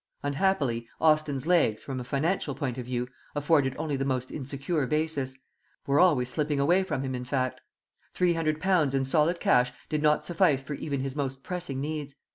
Unhappily, Austin's legs, from a financial point of view, afforded only the most insecure basis were always slipping away from him, in fact. Three hundred pounds in solid cash did not suffice for even his most pressing needs.